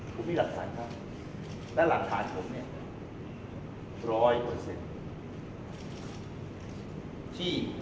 ผมมีหลักฐานครับและหลักฐานผมเนี่ยร้อยเปอร์เซ็นต์